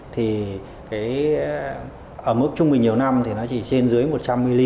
thì ở mức trung bình nhiều năm thì nó chỉ trên dưới một trăm linh mm